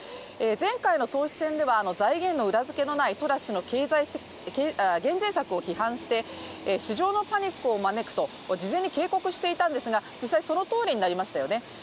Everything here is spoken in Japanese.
前回の党首選では、財源の裏付けのないトラス氏の減税策を批判して市場のパニックを招くと事前に警告していたんですけれども実際そのとおりになりましたよね。